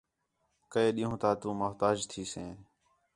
کے ݙِین٘ہوں تا تو محتاج تھیسے